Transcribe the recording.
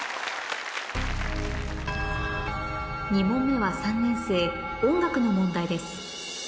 ２問目は３年生音楽の問題です